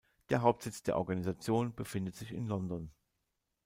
Der Hauptsitz der Organisation befindet sich in London.